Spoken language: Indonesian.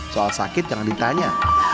soal sakit jangan ditanya